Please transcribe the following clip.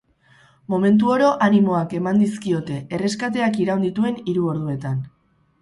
Momentuoro animoak eman dizkiote, erreskateak iraun dituen hiru orduetan.